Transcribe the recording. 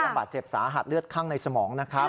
อาบาดเจ็บสาหรือหาดเลือดคั่งในสมองนะครับใช่